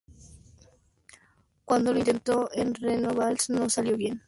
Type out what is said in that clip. Cuando lo intentó con Renovales no salió bien.